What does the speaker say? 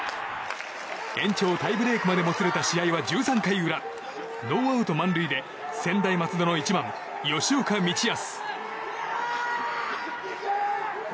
延長タイブレークまでもつれた試合は１３回裏ノーアウト、満塁で専大松戸の１番、吉岡道泰。